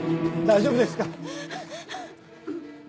大丈夫ですか？